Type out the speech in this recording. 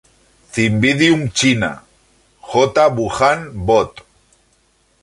Cymbidium China; J. Wuhan Bot.